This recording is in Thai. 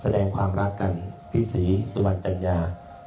แสดงความรักกันพี่ศรีสุวรรณจัญญา